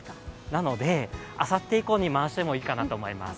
なので、あさって以降に回してもいいかなと思います。